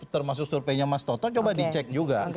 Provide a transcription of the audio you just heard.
termasuk surveinya mas toto coba dicek juga